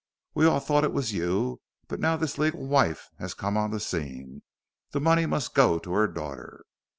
We all thought it was you, but now this legal wife has come on the scene, the money must go to her daughter.